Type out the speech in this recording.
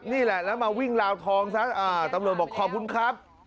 นี่แหละแล้วมาวิ่งราวทองซะตำรวจบอกขอบคุณครับ